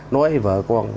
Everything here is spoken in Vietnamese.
nói với vợ con